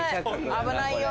危ないよ。